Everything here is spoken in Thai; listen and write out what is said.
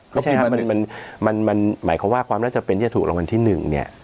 ไม่ใช่ครับมันหมายความว่าความน่าจะเป็นที่จะถูกรางวัลที่๑เนี่ย